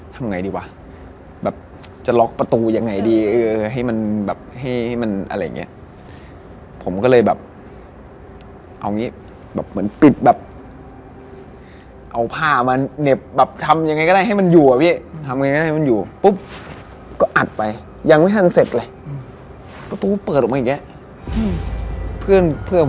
หมายถึงว่าเขาจะมาพร้อมเสียงหรือ